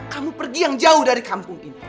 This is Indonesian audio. kamu pergi yang jauh dari kampung ini